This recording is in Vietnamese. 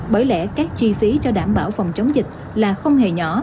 bởi lẽ các chi phí cho đảm bảo phòng chống dịch là không hề nhỏ